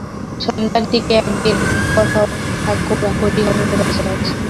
সন্ধ্যার দিকে একদিন কথকঠাকুর হরিহরের বাসায় আসিল।